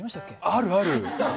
ある、ある。